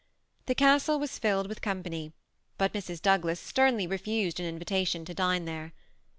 The castle was filled with company, but Mrs. Douglas sternly refused an invitation to dine there.